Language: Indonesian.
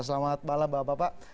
selamat malam bapak bapak